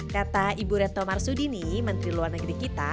kata ibu retno marsudini menteri luar negeri kita